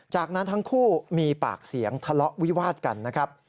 จากนั้นทั้งคู่มีปากเสียงทะเลาะวิวาดกันนะครับ